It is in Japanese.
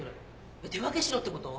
えっ手分けしろってこと？